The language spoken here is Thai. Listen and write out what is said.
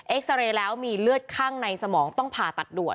ซาเรย์แล้วมีเลือดข้างในสมองต้องผ่าตัดด่วน